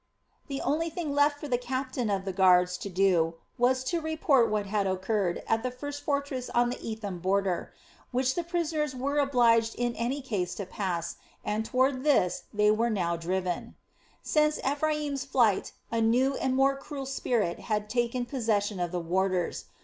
The only thing left for the captain of the guards to do was to report what had occurred at the first fortress on the Etham border, which the prisoners were obliged in any case to pass, and toward this they were now driven. Since Ephraim's flight a new and more cruel spirit had taken possession of the warders.